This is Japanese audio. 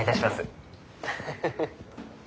フフフフ。